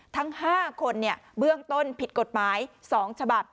ทั้ง๕คนเบื้องต้นผิดกฎหมาย๒ฉบับ